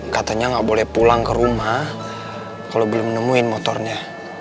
katanya nggak boleh pulang ke rumah kalau belum nemuin motornya